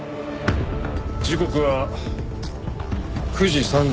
時刻は９時３２分。